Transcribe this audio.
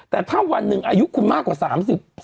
แต่ถ้าวันหนึ่งอายุคุณมากกว่า๓๐